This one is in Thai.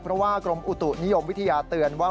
เพราะว่ากรมอุตุนิยมวิทยาเตือนว่า